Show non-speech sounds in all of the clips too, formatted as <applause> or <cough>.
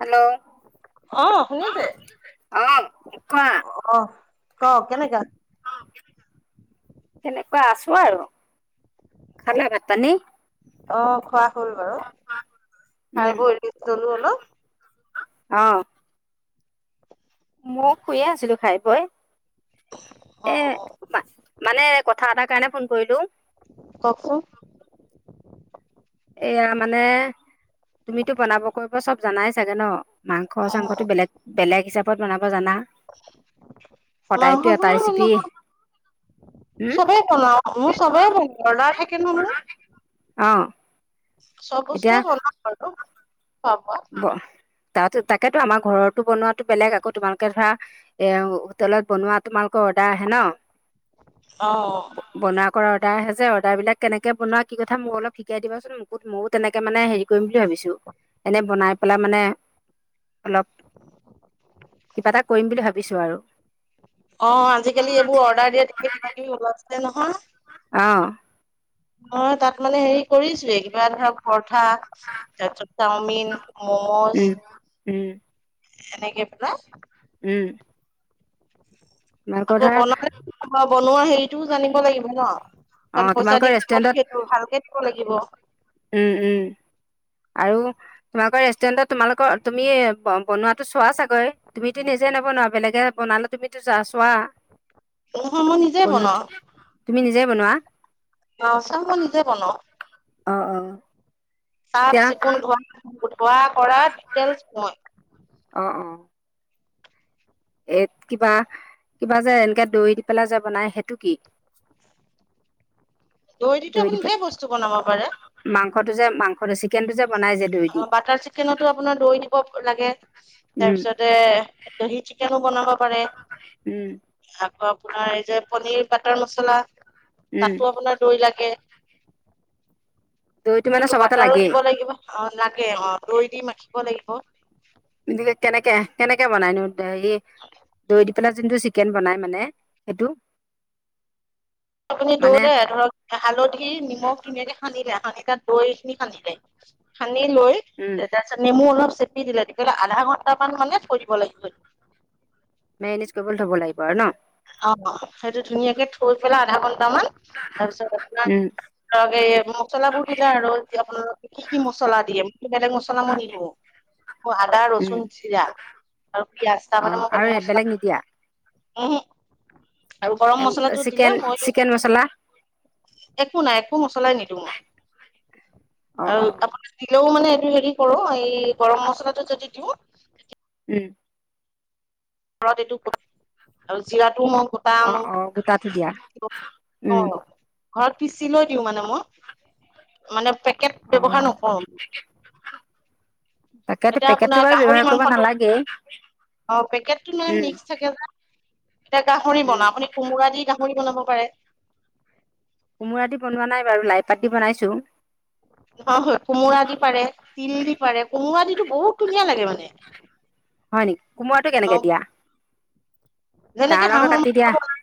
Hello অ শুনিছে অ কোৱা অ ক কেনেকা সেনেকোৱা আছো আৰু খালা ভাত পানী। অ খোৱা হৈ গ'ল বাৰু, উম খাই বৈ ৰেষ্ট ললো অলপ। অ মই শুইয়ে আছিলো খাই বই। অ অ পা মানে কথা এটাৰ কাৰণে ফোন কৰিলো। কওক ক। এয়া মানে, তুমিতো বনাব কৰিব চব জনায়ে চাগে ন। মাংস চাংসটো অ', বেলেগ, বেলেগ হিচাবত বনাব জানা। সদায়তো এটায়ে মাংসবোৰ চিতি চবে বনাও, মোৰ চবে বনাও অৰ্ডাৰ থাকে ন মোৰ। অ চব এতিয়া বস্তুৱে বনাও বাৰু, ভাল পোৱা। তাতো তাকেতো আমাৰ ঘৰটোও বনোৱাতো বেলেগ আকৌ তোমালোকে ধৰা এ হোটেলত বনোৱা তোমালোকৰ অৰ্ডাৰ আহে ন। অ অ বনা কৰা অৰ্ডাৰ আহে যে অৰ্ডাৰ বিলাক কেনেকে বনোৱা, কি কথা মোক অলপ শিকাই দিবা চোন। বিহুত ময়ো তেনেকে মানে হেৰি কৰিম বুলি ভাবিছো। এনে বনাই পেলাই মানে, অলপ কিবা এটা কৰিম বুলি ভাবিছোঁ আৰু অ আজিকালি এইবোৰ অৰ্ডাৰ দিয়া কিবা কিবি ওলাইছিলে নহয় অ অ তাত মানে হেৰি কৰিছিলেগে। এয়া ধৰক পৰঠা তাৰপিছত চাওমিন মমোজ উম এনেকে তোলা উম আকৌ ধৰা বনালেতো নহব বনোৱা হেৰিটোও জানিব লাগিব ন। অঁ কাৰণ পইছা তোমালোকৰ দি খাব ৰেষ্টুৰেণ্টত যিহেতু ভালকে দিব লাগিব। উম উম আৰু তোমালোকৰ ৰেষ্টুৰেণ্টত তোমালোকৰ তুমিয়ে ব বনোৱাতো চোৱা চা গৈ তুমিতো নিজে নবনোৱা বেলেগে বনালে তুমিতো যা চোৱা। নহয় মই নিজে বনাও বনোৱাত তুমি নিজে বনোৱা। অ', চাহ মই নিজে বনাওঁ। অ' অ' চাফ চিকুণ ধোৱা খোৱা কৰা <unintelligible> মই অ' অ' এ কিবা কিবা যে এনেকে দৈ দি পেলাই যে বনায় সেইটো কি? <inaudible> দৈ দিতো আপুনি ধেৰ বস্তু বনাব পাৰে। মাংসটোযে মাংসটো <unintelligible> কেনটোযে বনায় যে দৈ দি অ' বাটাৰ চিকেনতো আপোনাৰ দৈ দিব লাগে উম তাৰপিছত <unintelligible> দহি চিকেনো বনাব পাৰে। উম, আকৌ আপোনাৰ এই যে পনিৰ বাটাৰ মচলা উম তাতো আপোনাৰ দৈ লাগে। দৈটো মানে সেইটো চবতে বাটাৰো লাগেই দিব লাগিব অ লাগে অ দৈ দি মাখিব লাগিব। <unintelligible> কেনেকে কেনেকে বনায়নো হেৰি দৈ দি পেলাই যোনটো চিকেন বনাই মানে এইটো। আপুনি দৈ লৈ ধৰক হালধি নিমখ ধুনীয়াকে সানিলে সানি তাত দৈখিনি সানিলে সানি লৈ উম <unintelligible> নেমু অলপ চেপি দিলে তেতিয়াহলে আধা ঘন্টামান মানে থৈ দিব লাগিব। <unintelligible> কৰিবলৈ থব লাগিব আৰু ন অ', সেইটো ধুনীয়াকে থৈ পেলাই আধা ঘন্টামান তাৰপিছত আপোনাৰ উম ধৰক এই মছলাবোৰ দিলে আৰু দি আপোনালোকে কি কি মছলা দিয়ে মোৰ বেলেগ মছলা মছলা মই নিদিওঁ মই আদা উম ৰচুন জিৰা আৰু পিয়াজ অ তাৰ মানে মই বেলেগ মছলা <unintelligible> নিদিয়া? উহু আৰু গৰম মছলাটো চিকেন দিলে মই- চিকেন মছলা একো নাই একো মছলাই নিদিওঁ মই অ আৰু অ <unintelligible> দিলেও মানে এইটো হেৰি কৰো এই গৰম মছলাটো যদি দিওঁ <unintelligible> <unintelligible> আৰু জিৰাটোও মই <unintelligible> অ অ গোটাটো দিয়া উম <unintelligible> ঘৰত পিচি লৈ দিওঁ মানে মই মানে পেকেট অ ব্যৱহাৰ নকৰোঁ। তাকেতো এতিয়া পেকেটটো আপোনাৰ বাৰু গাহৰি ব্যৱহাৰ কৰিব মাংসটো নালাগেই অ' পেকেটটো <unintelligible> উম মিক্স থাকে যে এতিয়া গাহৰি উম বনা আপুনি কোমোৰা দি গাহৰি বনাব পাৰে। কোমোৰা দি বনোৱা নাই বাৰু লাইপাত দি বনাইছো। <unintelligible> কোমোৰা দি পাৰে তিল দি পাৰে কোমোৰা দি বহুত ধুনীয়া লাগে মানে। হয় নেকি। কোমৰাটো কেনেকে অ দিয়া? যেনেকে ডাঙৰ ডাঙৰকৈ হাঁহৰ কাটি মাংস দিয়া বনাই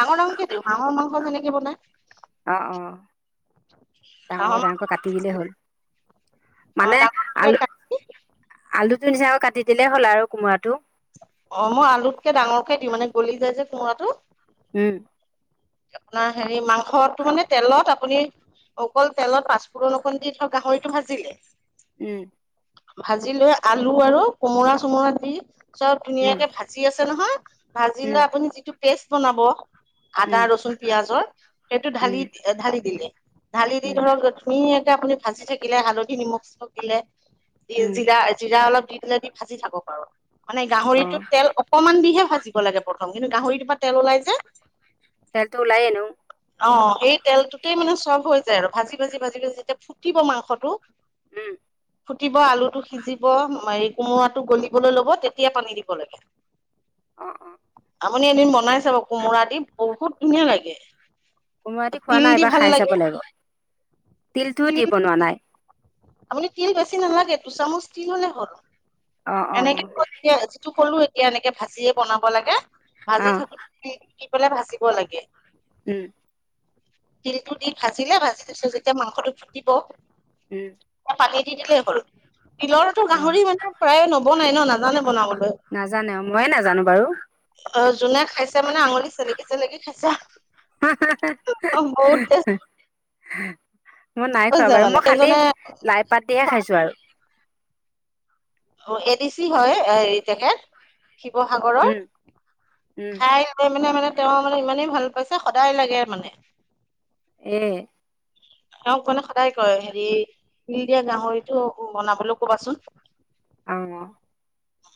ডাঙৰ ডাঙৰ কে দিও হাঁহৰ মাংস যেনেকে বনাই অ' অ' হাঁহৰ ডাঙৰ মাংস ডাঙৰকৈ কাটি দিলেই হ'ল। অ মানে ডাঙৰ ডাঙৰকে আলু কাটি আলুটো নিচিনাকৈ কাটি দিলেই হ'ল আৰু কোমোৰাটো। অ', মই আলুতকে ডাঙৰকে দিওঁ মানে গলি যায় যে কোমোৰাটো। উম, আপোনাৰ হেৰি মাংসটো মানে তেলত আপুনি অকল তেলত পাঁচফোৰণ অকণ দি থ গাহৰিটো ভাজিলে। উম, ভাজি লৈ আলু আৰু কোমোৰা চোমোৰা দি চব উম ধুনীয়াকে ভাজ। জি আছে নহয় ভাজি উম লৈ আপুনি যিটো পেষ্ট বনাব। আদা উম ৰচুন পিয়াজৰ সেইটো উম ঢালি এ ঢালি দিলে ঢালি দি উম ধৰক। ধুনীয়াকে আপুনি ভাজি থাকিলে হালধি নিমখ চিমখ দিলে জি উম জিৰা জিৰা অলপ দি পিনে দি ভাজি থাকক আৰু মানে গাহৰিটো অ' তেল অক কমান দিহে ভাজিব লাগে প্ৰথম কিন্তু গাহৰিটোৰ পা তেল ওলাই যে। তেলতো ওলাই এনো অ সেই তেলটোতেই মানে চব হৈ যায় আৰু ভাজি ভাজি ভাজি ভাজি যেতিয়া ফুটিব মাংসটো। উম। ফুটিব আলুটো সিজিব এই কোমোৰাটো গলিবলৈ ল'ব তেতিয়া পানী দিব লাগে। অ অ। আমনি এদিন বনাই চাব কোমোৰা দি বহুত ধুনীয়া লাগে। কোমোৰাদি খোৱা তিল নাই দি এইবা ভাল খাই লাগে চাব লাগিব তিলটোও তিল দি বনোৱা নাই। আপুনি তিল বেছি নালাগে দুচামুচ তিল হলে হল অ' অ' এনেকে কৈ এতিয়া যিটো কলো এতিয়া এনেকে ভাজিয়ে বনাব লাগে ভাজি অ' থাকো। দি শিকি পেলাই ভাজিব লাগে। উম। তিলটো দি ভাজিলে ভাজি তাছত যেতিয়া মাংসটো ফুটিব। উম। পানী দি দিলেই হ'ল তিলৰটো অ' গাহৰি মানে প্ৰায়ে নবনাই ন নাজানে বনাবলৈ। এ ময়ে নাজানো বাৰু। অ যোনে খাইছে মানে আঙুলি চেলেকি চেলেকি খাইছে অ বহুত তেচ। মই নাই খোৱা হৈছে বাৰু মানে মই খালি সেইজনে লাই পাত দিহে খাইছো আৰু। অ এডি চি হয় এই তেখেত শিৱসাগৰৰ উম উম খাই। খাই মানে মানে তেওঁ মানে ইমানেই ভাল পাইছে সদায় লাগে মানে। এ তেওঁক মানে সদায় কয় হেৰি তিল দিয়া গাহৰিটো বনাবলৈ কবাচোন। অ।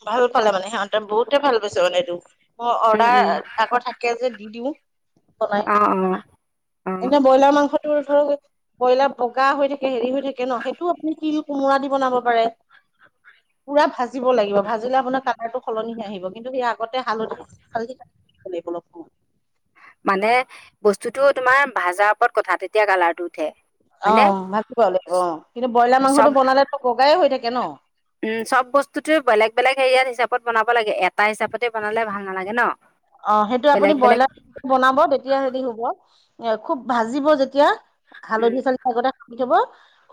ভাল পালে মানে সিহঁতে বহুতে ভাল পাইছে মানে এইটো মোৰ অৰ্ডাৰ উম আকৌ থাক কে যে দি দিও বনাই অ' অ' অ' এতিয়া ব্ৰইলাৰ মাংসটোৰ ধৰক। ব্ৰইলাৰ বগা থাকে হৈ থাকে ন সেইটোও আপুনি তিল কোমোৰা দি বনাব পাৰে পুৰা ভাজিব লাগিব ভাজিলে আপোনাৰ কালাৰটো সলনিহে আহিব কিন্তু সেই আগতে হালধি। চাল অলপ সময় <inaudible> হালধি তাত দিব লাগিব অলপ সময় মানে বস্তুতটো তোমাৰ ভাজাৰ ওপৰত কথা তেতিয়া কালাৰটো উঠে। অ হয়নে ভাজিিবা লাগিব অ কিন্তু ব্ৰইলাৰ চব মাংসটো বনালে তো বগাই হৈ থাকে ন। <inaudible> অ ভাজি বনাব লাগিব অ কিন্তু ব্ৰইলাৰ মাংসটো বনালে তো বগাই হৈ থাকে ন। <inaudible> উম চব বস্তুতে বেলেগ বেলেগ হেৰিয়াত হিচাপত বনাব লাগে এটা হিচাপতে বনালে ভাল নালাগে ন। অ সেইটো আপুনি বেলেগ বেলেগ ব্ৰইলাৰ। বনাব তেতিয়া হেৰি হ'ব এ খুব ভাজিব যেতিয়া উম হালধি চাল। গতে কি থব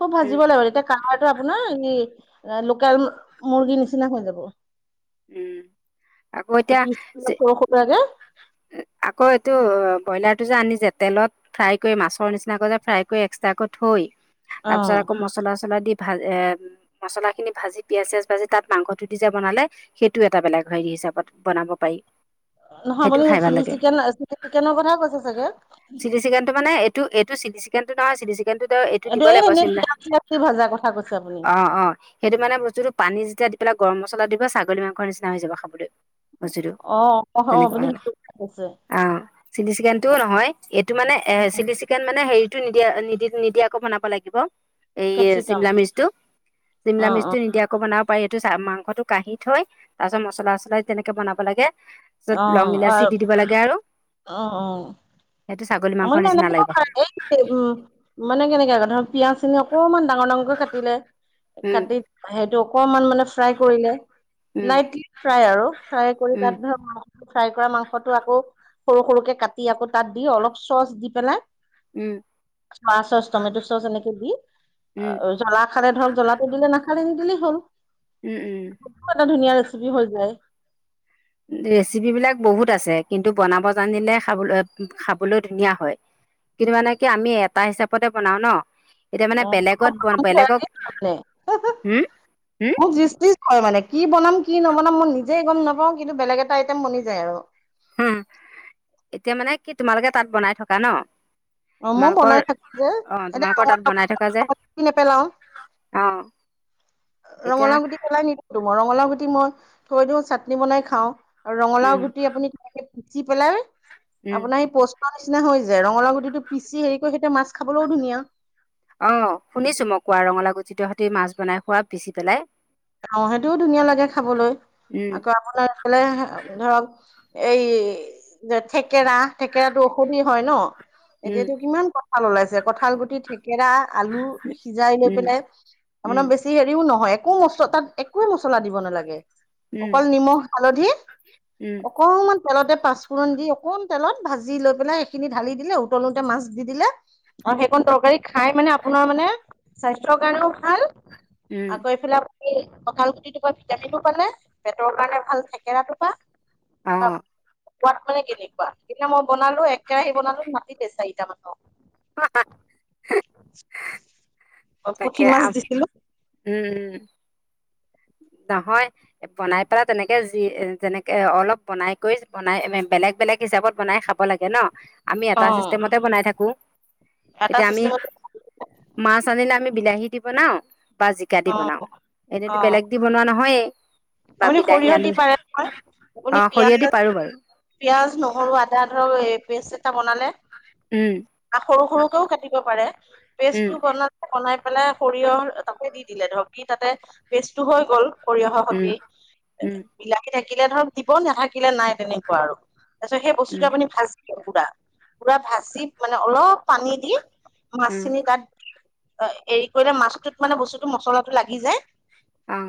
খুব উম ভাজিব লাগিব তেতিয়া <inaudible> আগতে কি থব খুব ভাজিব লাগিব তেতিয়া। <inaudible> কালাৰটো আপোনাৰ এই লোকেল এ মুৰ্গীৰ নিচিনা হৈ যাব। উম। পিছ কা সৰশ টাকে <inaudible> পিছ পিনে সৰশ শুকাই দে <inaudible> এ আকৌ এইটো ব্ৰইলাৰ টো যে আনি যে তেলত। ফ্ৰাই কৈ মাছৰ নিচিনাকৈ যে ফ্ৰাই কৈ যে এক্সট্ৰাকৈ থৈ অ তাৰ পিছত আকৌ মছলাছলা দি। ভাজ এ মছলাখিনি ভাজি পিয়ঁয়াজ চিয়াজ ভাজি তাত মাংসটো দি যে বনালে। সেইটোও এটা বেলেগ হেৰি হিচাপত বনাব পাৰি। নহয় সেইটো আপুনি খাই ভাল চিলি লাগে চিকেন চিলি চিকেনৰ কথা কৈছে চাগে। চি চিকেনটো মানে এইটো চিটি চিকেনটো নহয় চিটিচি চিকেনটো তেওঁ এইটো দিব এই লাগিব এনেই পিয়াজ চিয়াজ দি ভজাৰ কথা কৈছে আপুনি। <unintelligible> অ', অ'। সেইটো মানে বস্তুটো পানী যেতিয়া দি পেলাই গৰম মছলা দিবা ছাগলী মাংসৰ নিচিনা হৈ যাব খাবলৈ। বস্তুটো অ'। অ', অ, তেনেকে আপুনি সেইটো কৈছে অ' চিলি চিকেনটোও অ', নহয় এইটো মানে এ, অ, অ, চিলি চিকে চিকেন মানে হেৰিটো নিদিয়া নিদি-নিদিয়াকৈ বনাব লাগিব। এই কেপচিকাম চিমলা মিচটো, অ', চিমলা মিচটো অ', নিদিয়াকৈ বনাব পাৰি এইটো চা মাংসটো কাঢ়ি থৈ তাৰপিছত মছলা চছলা দি তেনেকে বনাব লাগে। তাৰপিছত লং অ' ইলাচি আৰ দি দিব লাগে আৰু অ', অ'। সেইটো ছাগলী মাংসৰ <unintelligible> মানে নিচিনা লাগিব খাব কেনেকে ধৰ পিয়াঁজখিনি অকণমান ডাঙৰ ডাঙৰকে কাটিলে উম কাটি সেইটো অকমান মানে ফ্ৰাই কৰিলে। উম লাইটলি ফ্ৰাই আৰু ফ্ৰাই কৰি উম তাত ধৰ ফ্ৰাই কৰা মাংসটো আকৌ সৰু সৰুকে কাটি আকৌ তাত দি অলপ চচ দি পেলাই উম খোৱা চচ টমেট' চচ এনেকে দি উম জলা নাখালে ধৰক জ্বলাটো নাখালে নিদিলেই হ'ল। উম, উম। মানে ধুনীয়া ৰেচিপি হৈ যায়। ৰেচিপিবিলাক বহুত আছে কিন্তু বনাব জানিলে খাবলৈ খাবলৈ ধুনীয়া হয়। কিন্তু মানে কি আমি এটা হিচাপতে বনাও ন'। এতিয়া মানে অ' বেলেগত <unintelligible> বেলেগক হম হম হয় মানে কি বনাম কি নবনাম মই নিজে গম নাপাওঁ কিন্তু বেলেগ এটা আইটেম বনি যায় আৰু। হু, এতিয়া মানে কি তোমালোকে তাত বনাই থকা ন'? অ মই তোমালোকৰ বনাই থাকো যে অ' এতিয়া তোমালোকৰ তাত ৰঙালাও বনাই থকা যে। গুটি নেপেলাও অ'। এতিয়া ৰঙালাও গুটি পেলাই নিদিওঁতো, মই ৰঙালাও গুটি মই থৈ দিওঁ চাটনি বনাই খাওঁ। আৰু উম ৰঙালাও গুটি আপুনি পিচি পেলাই উম আপোনাৰ সেই পছ নিচিনা হৈ যায়, ৰঙা গুটিটো পিছি হেৰি কৰি সেইতে মাছ খাবলৈও ধুনীয়া। অ' শুনিছোঁ মই কোৱা ৰঙালা গুটি তহঁতে মাছ বনাই খোৱা পিছি পেলাই। আহওঁ সেইটোও ধুনীয়া লাগে খাবলৈ উম আকৌ আপোনাৰ এফালে ধৰক এই যে থেকেৰা থেকেৰাটো ঔষধি হয় ন'। উম এতিয়াতো কিমান কঠাল ওলাইছে, কঁঠাল গুটি, থেকেৰা, আলু সিজাই লৈ উম পেলাই উম। যি হেৰিও নহয়, একো মচ তাত একোৱে মছলা দিব নালাগে। উম অকল নিমখ হালধি উম অক অকমান তেলতে পাঁচফোৰণ দি অকণমান তেলত ভাজি লৈ পেলাই সেইখিনি ঢালি দিলে উতলোতে মাছ দি দিলে আৰু সেইকণ তৰকাৰী খাই মানে আপোনাৰ মানে স্বাস্থ্যৰ কাৰণেও ভাল উম আকৌ এইফালে কি কঁঠাল গুটিটোৰ পৰা ভিটামিনো পালে, পেটৰ কাৰণে ভাল থেকেৰা টোপা। অ সোৱাদ মানে কেনেকুৱা, সেইদিনা মই বনালো, এক কেৰাহি বনালো মাতিতে চাৰিটা মানৰ। <inaudible> তাকে আহ, দিছিলো উম। নহয়। বনাই পেলাই তেনেকে যি এ যেনেকে অলপ বনাই কৰি বেলেগ বেলেগ হিচাপত বনাই খাব- খাব লাগে ন, আমি অ এটা চিষ্টেমতে বনাই থাকো। এটা এতিয়া আমি- চিষ্টেমত মাছ আনিলে আমি বিলাহী দি বনাও বা জিকা দি অ অ বনাও এনেতো বেলেগ- দি বনোৱা নহয়ে বা আপুনি বিলাহী সৰিয়হ দি আলুৰ পাৰে নহয় অহ, সৰিয়হ দি পাৰো বাৰু। পিয়াঁজ, নহৰু আদা ধৰক এ পেষ্ট এটা বনালে- উম আহ, সৰু সৰুকেও কাটিব পাৰে। উম পেষ্টটো বনাত- বনাই পেলাই সৰিয়হ তাতে দি দিলে, ধৰক দি তাতে পেষ্টটো হৈ গল সৰিয়হৰ উম সৈতে। উম বিলাহী থাকিলে ধৰক দিব, নাথাকিলে নাই তেনেকুৱা আৰু তাৰ পিছত সেই উম বস্তুটো আপুনি ভাজি- পুৰা -পুৰা ভাজি মানে অলপ পানী দি উম মাছখিনি তাত- অহ এৰি কৰিলে মাছটোত মানে বস্তুটো মছলাটো লাগি যায়। অহ।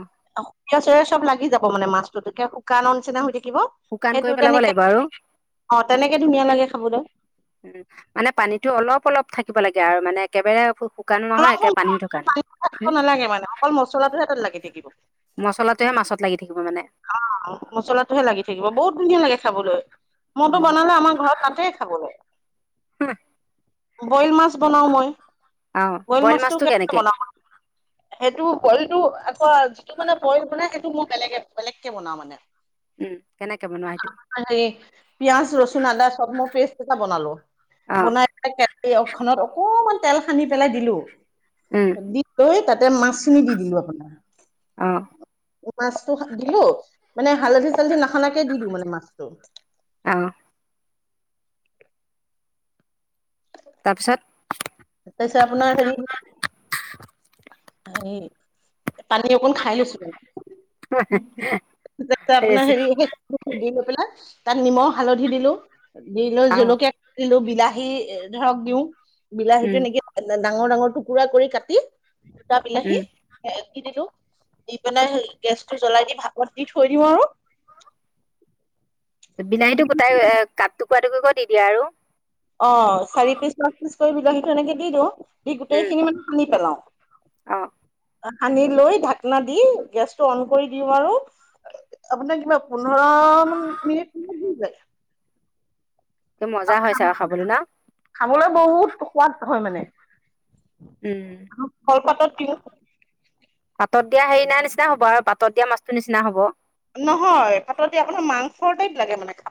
পিয়াজ চব লাগি যাব মানে মাছটো শুকানৰ নিচিনা হৈ থাকিব। শুকান সেইটো কৰি পেলাব তেনেকে লাগিব আৰু অহ, তেনেকে ধুনীয়া লাগে খাবলৈ। উম, মানে পানীটো অলপ অলপ থাকিব লাগে আৰু মানে একেবাৰে- শুকানো নহয় অলপ একে পানীও থকা নাই পানীটো থাকিব নালাগে মানে অকল মছলাটোহে তাতে লাগি থাকিব। মছলাটোহে মাছত লাগি থাকিব মানে। অহ, মছলাটোহে লাগি থাকিব বহুত ধুনীয়া লাগে খাবলৈ। মইটো উম বনালে আমাৰ ঘৰত নাতে খাবলে। বইল মাছ বনাও মই, বইল মাছটো কেনেকে বনাও? সেইটো বইলটো আকৌ যিটো মানে বইল বনাই সেইটো মোৰ বেলেগে- বেলেগকে বনাও মানে। উম, কেনেকে বনোৱা সেইটো? পিয়াজ, ৰচুন, আদা চব মই পেষ্ট এটা বনালো। অ' বনাই- খত অকমান তেল সানি পেলাই দিলোঁ। উম, দি লৈ তাতে মাছখিনি দি দিলোঁ অ' আপোনাৰ। মাছ- টো দিলো মানে হালধি -চালধি নহানাকে দিলো মানে মাছটো। আহ। তাৰপিছত? তাৰপিছত আপোনাৰ হেৰি- হেৰি- পানী অকণ খাই লৈছো যাতে আপোনাৰ ৰেচিপি হেৰি- দি লৈ পেলাই তাত নিমখ, হালধি দিলোঁ। দি লৈ অ' জলকীয়া- দিলো, বিলাহী ধৰক দিওঁ, বিলাহীটো উম, এনেকে ডাঙৰ ডাঙৰ টুকুৰা কৰি কাটি- গোটা উম, বিলাহী- দি দিলো, দি পেলাই গেছটো জ্বলাই দি ভাপত দি থৈ দিওঁ আৰু। বিনাহীতো গোটাই কাতি টুকুৰা টুকুৰ কৰি দি দিয়ে আৰু। অহ, চাৰি পিচ, পাঁচ পিচ কৰি বিলাহীটো এনেকে দি দিওঁ, দি গোটেই খিনি মানে সানি পেলাওঁ। অহ। সানি লৈ, থাকনা দি গেছটো অন কৰি দিওঁ আৰু- আপোনাৰ কিমান পোন্ধৰ মান মিনিট লাগি যায়। এ মজা হৈছে আৰু খাবলৈ ন। খাবলৈ বহুত সোৱাদ হয় মানে। উম। কলপাতাত দিওঁ। পাতত দিয়া হেৰি নেৰা নিচিনা হ'ব আৰু পাতত দিয়া মাছটো নিচিনা হ'ব। নহয় পাতত দিয়া একো নহয় মাংসৰ টাইপ লাগে মানে খা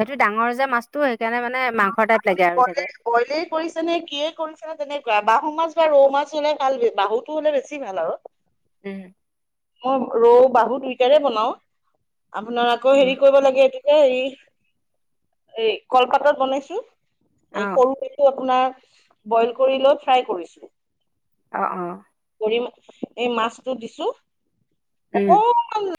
সেইটো ডাঙৰ যে মাছটো সেইকাৰণে মানে মাংসৰ টাইপ লাগে আৰু চাগে। বয়েলেই কৰিছে নে কিয়ে কৰিছে নে তেনেকুৱা, বাহু মাছ বা ৰৌ মাছ হলে ভাল বাহু টো হ'লে বেছি ভাল আৰু। উম। মই ৰৌ বাহু দুইটাৰে বনাও আপোনাৰ আকৌ উম, হেৰি কৰিব লাগে এইটো - এ হেৰি এই কল পাতত বনাইছো। এই অ' সৰু পেটো আপোনাৰ বইল কৰি লৈ ফ্ৰাই কৰিছো। অ অ। কৰিম, এই মাছটো দিছো। উম। অকণ